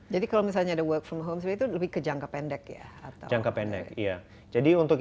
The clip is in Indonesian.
jadi kalau misalnya ada work from home itu lebih ke jangka pendek ya atau jangka pendek iya jadi untuk